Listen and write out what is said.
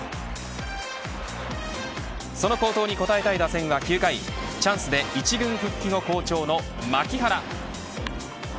その好投に応えたい打線は９回チャンスで１軍復帰後好調の牧原。